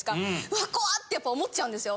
「うわっ怖っ！」ってやっぱ思っちゃうんですよ。